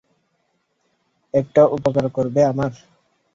একটা উপকার করবে আমার?